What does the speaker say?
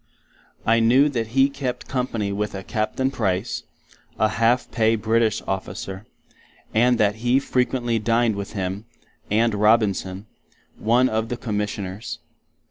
I knew that He kept company with a Capt. Price, a half pay British officer, and that He frequently dined with him, and Robinson, one of the Commissioners.